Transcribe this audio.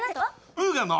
「ムーガの」。